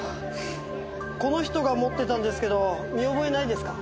この人が持ってたんですけど見覚えないですか？